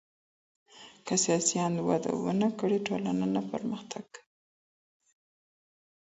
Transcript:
که سياسي آند وده ونکړي ټولنه نه پرمختګ کوي.